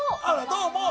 どうも。